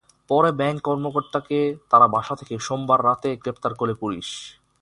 পরে ব্যাংক কর্মকর্তাকে তাঁর বাসা থেকে সোমবার রাতে গ্রেপ্তার করে পুলিশ।